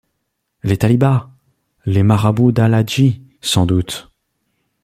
Les Talibas ! les marabouts d’Al-Hadji, sans doute !